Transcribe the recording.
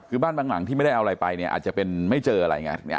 คือบ้านบางหลังที่ไม่ได้เอาอะไรไปเนี่ยอาจจะเป็นไม่เจออะไรไง